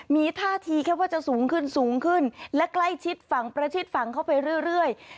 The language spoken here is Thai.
มีท่าทีแค่ว่าจะสูงขึ้นสูงขึ้นและใกล้ชิดฝั่งประชิดฝั่งเข้าไปเรื่อย